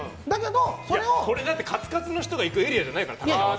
これ、カツカツの人が行くエリアじゃないからね。